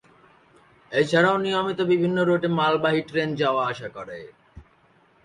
এছাড়াও নিয়মিত বিভিন্ন রুটে মালবাহী ট্রেন যাওয়া আসা করে।